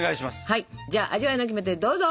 はいじゃあ味わいのキメテどうぞ！